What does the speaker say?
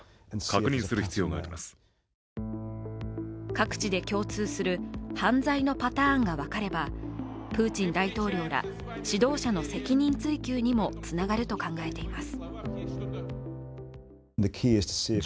各地で共通する犯罪のパターンが分かれば、プーチン大統領ら指導者の責任追及にもつながると考えています。